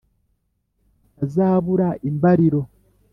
Utazabura imbaliro